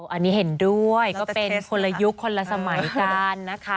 อันนี้เห็นด้วยก็เป็นคนละยุคคนละสมัยกันนะคะ